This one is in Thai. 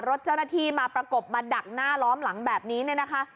รถเจ้าหน้าที่มาประกบมาดักหน้าล้อมหลังแบบนี้เนี่ยนะคะ